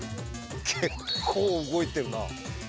結構動いてるな。